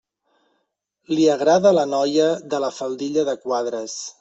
Li agrada la noia de la faldilla de quadres.